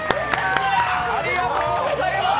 ありがとうございます！